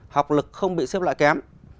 học lực không bị xếp loại kém